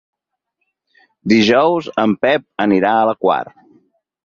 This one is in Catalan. Dijous en Pep anirà a la Quar.